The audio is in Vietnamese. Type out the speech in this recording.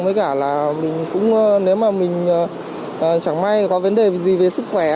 với cả là mình cũng nếu mà mình chẳng may có vấn đề gì về sức khỏe